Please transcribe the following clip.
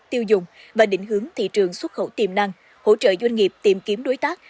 tiêu dùng và định hướng thị trường xuất khẩu tiềm năng hỗ trợ doanh nghiệp tìm kiếm đối tác